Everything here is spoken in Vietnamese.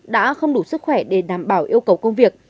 đã không đủ sức khỏe để đảm bảo yêu cầu công việc